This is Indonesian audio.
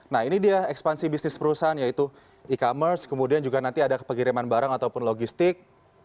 nah ini dia ekspansi bisnis perusahaan yaitu e commerce kemudian juga nanti ada pengiriman barang ataupun logistik